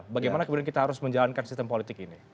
bagaimana kemudian kita harus menjalankan sistem politik ini